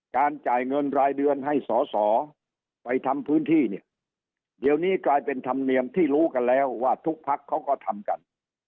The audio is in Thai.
จ่ายเงินรายเดือนให้สอสอไปทำพื้นที่เนี่ยเดี๋ยวนี้กลายเป็นธรรมเนียมที่รู้กันแล้วว่าทุกพักเขาก็ทำกัน